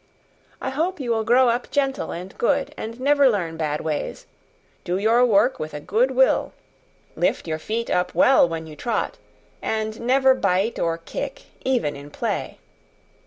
I hope you will grow up gentle and good, and never learn bad ways; do your work with a good will, lift your feet up well when you trot, and never bite or kick even in play."